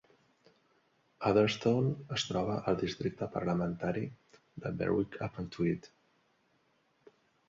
Adderstone es troba al districte parlamentari de Berwick-upon-Tweed.